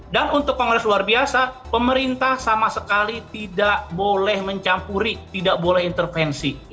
dan untuk kongres luar biasa pemerintah sama sekali tidak boleh mencampuri tidak boleh intervensi